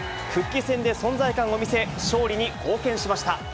復帰戦で存在感を見せ、勝利に貢献しました。